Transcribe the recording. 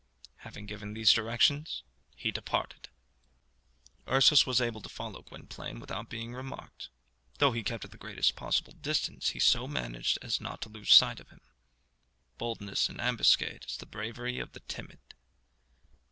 Having given these directions he departed. Ursus was able to follow Gwynplaine without being remarked. Though he kept at the greatest possible distance, he so managed as not to lose sight of him. Boldness in ambuscade is the bravery of the timid.